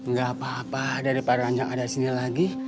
gak apa apa daripada ranjang ada di sini lagi